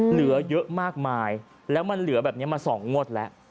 เหลือเยอะมากมายแล้วมันเหลือแบบนี้มา๒งวดแล้ว